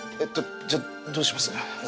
じゃあどうします？